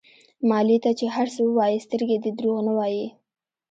مالې ته چې هر څه ووايې سترګې دې دروغ نه وايي.